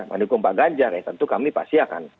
mendukung pak ganjar ya tentu kami pasti akan